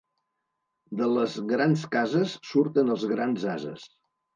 De les grans cases surten els grans ases.